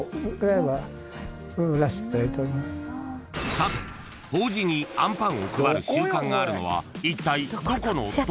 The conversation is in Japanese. ［さて法事にあんパンを配る習慣があるのはいったいどこの都道府県？］